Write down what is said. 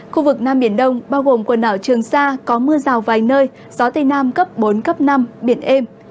khu vực nam biển đông bao gồm quần đảo trường sa có mưa rào và rải rác gió tây nam cấp bốn cấp năm biển êm